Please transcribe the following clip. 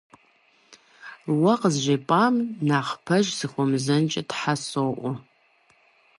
- Уэ къызжепӀам нэхъ пэж сыхуэмызэнкӀэ Тхьэ соӀуэ!